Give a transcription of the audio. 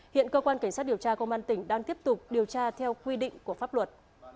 hiện cơ quan cảnh sát điều tra công an tỉnh đang tiếp tục điều tra theo quy định của pháp luật